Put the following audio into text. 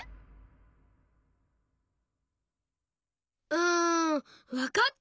うんわかった！